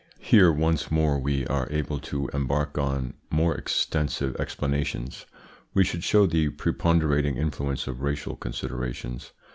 Here, once more, were we able to embark on more extensive explanations, we should show the preponderating influence of racial considerations.